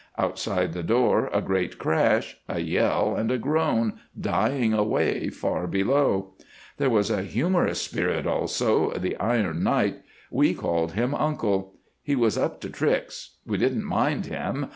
Outside the door a great crash, a yell, and a groan dying away far below. There was a humorous spirit also, the Iron Knight. We called him 'Uncle.' He was up to tricks. We didn't mind him.